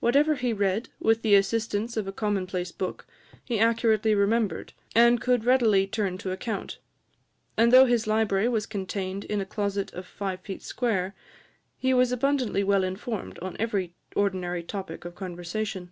Whatever he read, with the assistance of a commonplace book, he accurately remembered, and could readily turn to account; and, though his library was contained in a closet of five feet square, he was abundantly well informed on every ordinary topic of conversation.